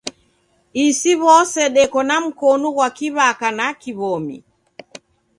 Isi w'ose deko na mkonu ghwa kiw'aka na kiw'omi.